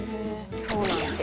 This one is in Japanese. そうなんですよ。